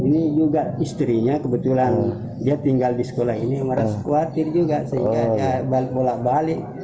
ini juga istrinya kebetulan dia tinggal di sekolah ini merasa khawatir juga sehingga dia balik bolak balik